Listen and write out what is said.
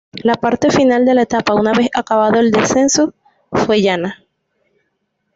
La parte final de la etapa, una vez acabado el descenso, fue llana.